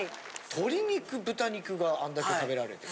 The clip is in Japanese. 鶏肉豚肉があんだけ食べられてる。